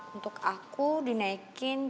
untuk aku dinaikin